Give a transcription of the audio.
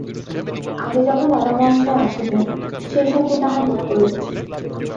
আগে যখন দাদা মহাশয় আসিতেন, সেই সব দিন তাহার মনে পড়িয়াছে!